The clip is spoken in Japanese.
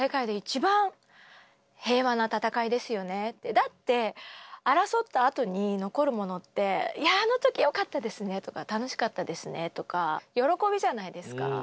だって争ったあとに残るものって「いやああの時よかったですね」とか「楽しかったですね」とか喜びじゃないですか。